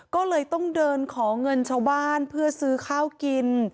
ก็เลยต้องเดินขอเงินชาวบ้านเพื่อซื้อข้าวกิน